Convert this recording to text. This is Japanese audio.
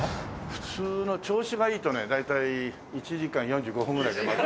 普通の調子がいいとね大体１時間４５分ぐらいで回る。